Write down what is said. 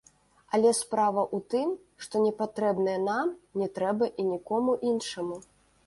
Але справа ў тым, што непатрэбнае нам не трэба і нікому іншаму.